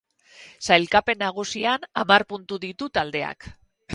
Sailkapen nagusian, hamar puntu ditu taldeak.